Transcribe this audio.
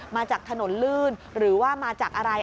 มาจากถนนลื่นหรือว่ามาจากอะไร